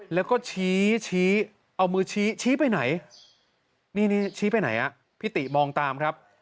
แล้วก็ชี้ชี้เอามือชี้ชี้ไปไหนนี่ชี้ไปไหนอ่ะพี่ติมองตามครับ